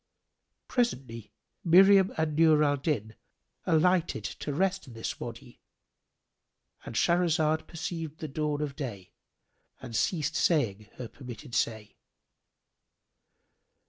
Presently Princess Miriam and Nur al Din alighted to rest in this Wady,—And Shahrazad perceived the dawn of day and ceased saying her permitted say.